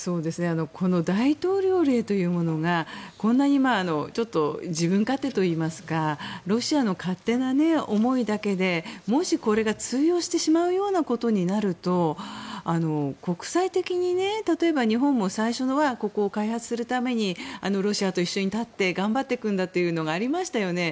この大統領令というものがこんなにちょっと自分勝手といいますかロシアの勝手な思いだけでもし、これが通用してしまうようなことになると国際的に例えば日本も最初はここを開発するためにロシアと一緒に立って頑張っていくんだというのがありましたよね。